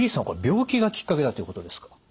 これ病気がきっかけだということですか？